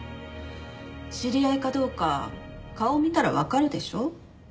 知り合いかどうか顔を見たらわかるでしょ？